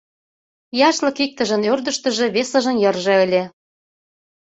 Яшлык иктыжын ӧрдыжыштыжӧ, весыжын йырже ыле.